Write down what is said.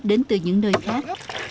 đến từ những nơi khác